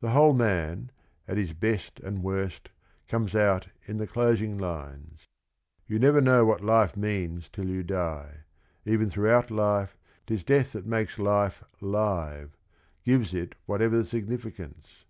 The whole man, at his best and worst, comes out in the closing lines. "You never know what life means till you die: Even thrbughout life, 't is death that makes life live, Gives it whatever the significance.